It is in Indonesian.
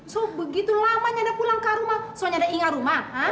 so begitu lama nyada pulang ke rumah so nyada ingat rumah hah